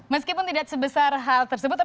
meskipun tidak sebesar hal tersebut